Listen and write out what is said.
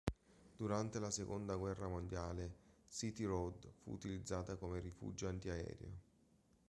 Durante la Seconda guerra mondiale, City Road fu utilizzata come rifugio antiaereo.